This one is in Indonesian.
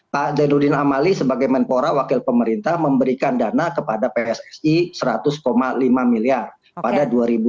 pak zainuddin amali sebagai menpora wakil pemerintah memberikan dana kepada pssi seratus lima miliar pada dua ribu dua puluh